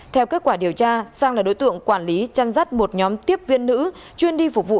theo kết quả điều tra sang là đối tượng quản lý chăn rắt một nhóm tiếp viên nữ chuyên đi phục vụ